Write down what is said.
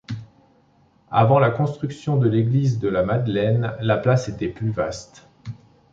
Avant la construction de l'église de la Madeleine, la place était plus vaste.